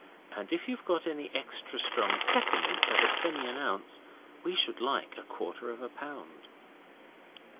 And if you've got any extra strong peppermints at a penny an ounce, we should like a quarter of a pound.